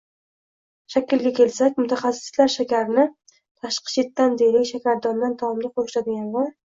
Shaklga kelsak, mutaxassislar shakarni “tashqi” – chetdan, deylik, shakardondan taomga qo‘shiladigan va